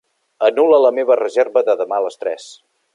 Anul·la la meva reserva de demà a les tres.